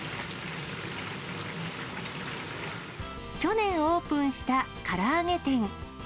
去年オープンしたから揚げ店。